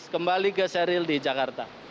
kembali ke seril di jakarta